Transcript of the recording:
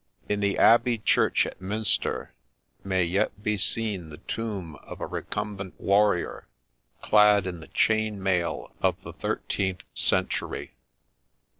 In the abbey church at Minster may yet be seen the tomb of a recumbent warrior, clad in the chain mail of the thirteenth century *.